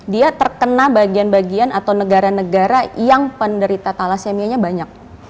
dia terkena bagian bagian atau negara negara yang penderita thalassemia nya banyak